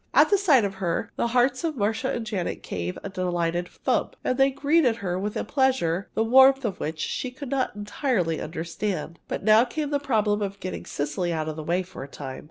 At the sight of her the hearts of Marcia and Janet gave a delighted thump, and they greeted her with a pleasure, the warmth of which she could not entirely understand. But now came the problem of getting Cecily out of the way for a time.